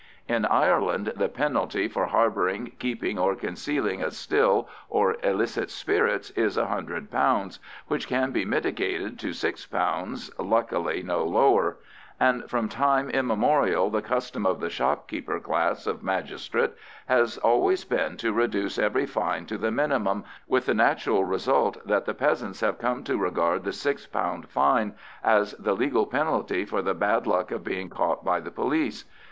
In Ireland the penalty for harbouring, keeping, or concealing a still or illicit spirits is £100, which can be mitigated to £6, luckily no lower; and from time immemorial the custom of the shopkeeper class of magistrate has always been to reduce every fine to the minimum, with the natural result that the peasants have come to regard the £6 fine as the legal penalty for the bad luck of being caught by the police.